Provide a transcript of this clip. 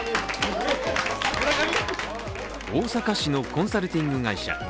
大阪市のコンサルティング会社。